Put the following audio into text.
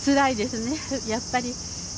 やっぱり。